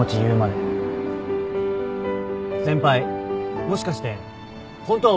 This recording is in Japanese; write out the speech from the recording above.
先輩もしかしてホントは俺のこと。